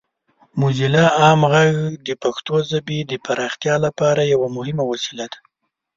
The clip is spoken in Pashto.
موزیلا عام غږ د پښتو ژبې د پراختیا لپاره یوه مهمه وسیله ده.